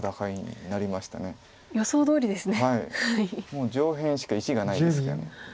もう上辺しか石がないですから。